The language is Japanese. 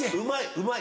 うまい！